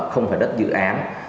không phải đất dự án